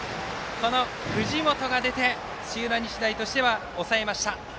この藤本が出て土浦日大としては抑えました。